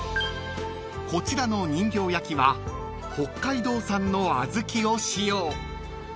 ［こちらの人形焼は北海道産の小豆を使用］